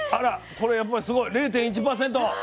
これやっぱりすごい０．１％。